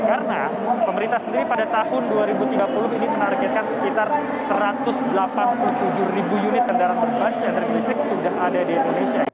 karena pemerintah sendiri pada tahun dua ribu tiga puluh ini menargetkan sekitar satu ratus delapan puluh tujuh ribu unit kendaraan berbasis energi listrik sudah ada di indonesia